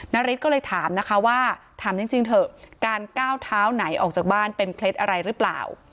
นาริสก็เลยถามนะคะว่าถามจริงเถอะการก้าวเท้าไหนออกจากบ้านเป็นเคล็ดอะไรหรือเปล่า